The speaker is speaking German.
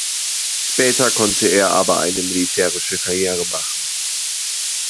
Später konnte er aber eine militärische Karriere machen.